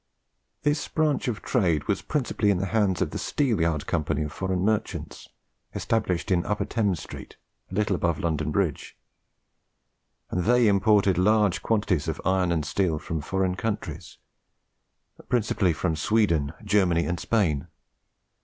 This branch of trade was principally in the hands of the Steelyard Company of Foreign Merchants, established in Upper Thames Street, a little above London Bridge; and they imported large quantities of iron and steel from foreign countries, principally from Sweden, Germany, and Spain.